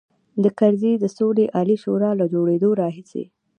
د کرزي د سولې عالي شورا له جوړېدلو راهیسې.